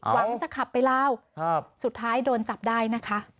หวังจะขับไปลาวสุดท้ายโดนจับได้นะคะ